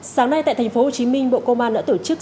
sáng nay tại tp hcm bộ công an đã tổ chức